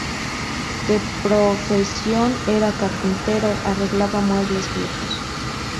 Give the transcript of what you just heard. De profesión era carpintero: arreglaba muebles viejos.